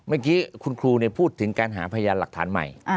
เมื่อกี้คุณครูพูดถึงการหาพยานหลักฐานใหม่